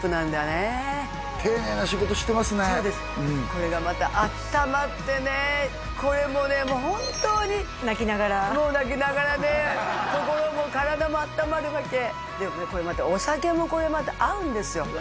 これがまたあったまってねこれもねもうホントに泣きながらもう泣きながらね心も体もあったまるわけでこれまたお酒もこれまた合うんですよ